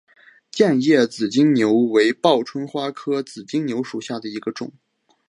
剑叶紫金牛为报春花科紫金牛属下的一个种。